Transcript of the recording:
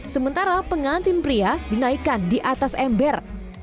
sementara pengantin pria dinaikkan di atas ember